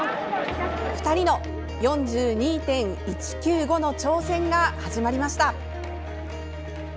２人の４２．１９５の挑戦が始まりました！